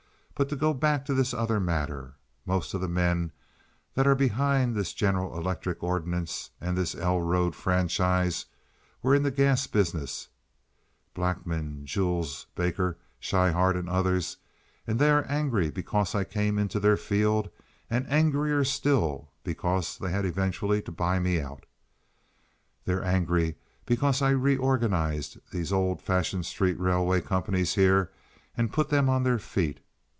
"But to go back to this other matter, most of the men that are behind this General Electric ordinance and this 'L' road franchise were in the gas business—Blackman, Jules, Baker, Schryhart, and others—and they are angry because I came into their field, and angrier still because they had eventually to buy me out. They're angry because I reorganized these old fashioned street railway companies here and put them on their feet.